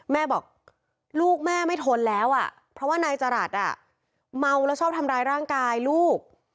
แม่บอกลูกแม่ไม่ทนแล้วอ่ะเพราะว่านายจรัสเมาแล้วชอบทำร้ายร่างกายลูก